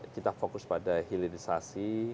kita fokus pada hilirisasi